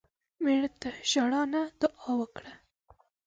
مړه ته ژړا نه، دعا وکړه